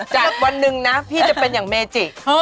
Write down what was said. จากวันหนึ่งนะพี่จะเป็นอย่างเมจิ